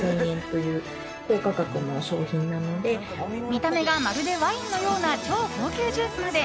見た目がまるでワインのような超高級ジュースまで。